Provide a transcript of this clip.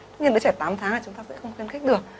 tất nhiên đứa trẻ tám tháng là chúng ta sẽ không khuyến khích được